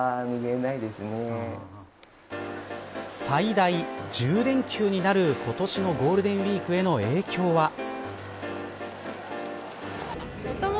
最大１０連休になる今年のゴールデンウイークへの影響は。